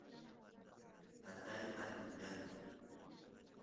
tatay atun kan